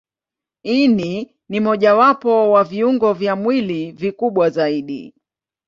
Ini ni mojawapo wa viungo vya mwili vikubwa zaidi.